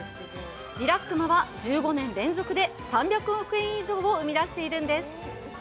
リラックマは１５年連続で３００億円以上を生み出しているんです。